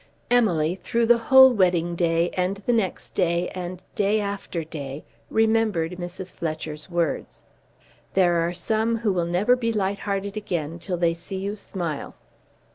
Emily, through the whole wedding day, and the next day, and day after day, remembered Mrs. Fletcher's words. "There are some who will never be light hearted again till they see you smile."